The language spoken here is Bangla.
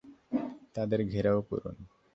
তাদের ঘেরাও করুন!